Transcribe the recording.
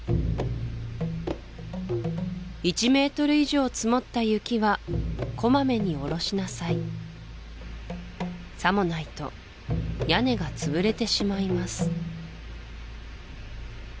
「１ｍ以上積もった雪はこまめに下ろしなさい」さもないと屋根が潰れてしまいます